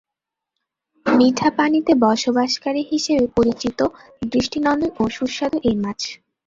মিঠা পানিতে বসবাসকারী হিসেবে পরিচিত, দৃষ্টিনন্দন ও সুস্বাদু এই মাছ।